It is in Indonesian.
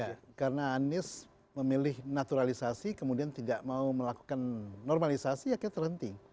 ya karena anies memilih naturalisasi kemudian tidak mau melakukan normalisasi akhirnya terhenti